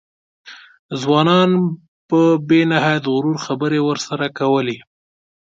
ځوانانو په بې نهایت غرور خبرې ورسره کولې.